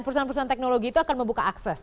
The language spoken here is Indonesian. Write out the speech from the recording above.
perusahaan perusahaan teknologi itu akan membuka akses